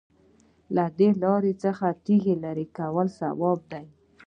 د لارې څخه د تیږې لرې کول ثواب دی.